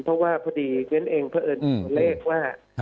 เพราะว่าพอดีเว้นเองเพราะเอิญตัวเลขว่า